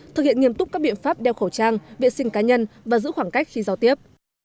thực hiện nghiêm túc các biện pháp đeo khẩu trang vệ sinh cá nhân và giữ khoảng cách khi giao tiếp